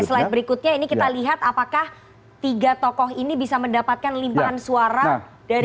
slide berikutnya ini kita lihat apakah tiga tokoh ini bisa mendapatkan limpahan suara dari